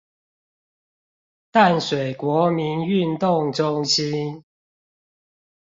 淡水國民運動中心